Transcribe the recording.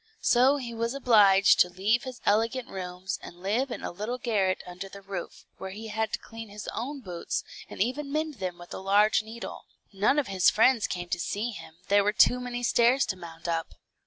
So he was obliged to leave his elegant rooms, and live in a little garret under the roof, where he had to clean his own boots, and even mend them with a large needle. None of his friends came to see him, there were too many stairs to mount up.